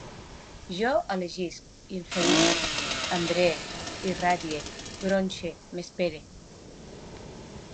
Jo elegisc, inferisc, embree, irradie, gronxe, m'espere